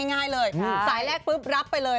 ง่ายเลยสายแรกปุ๊บรับไปเลย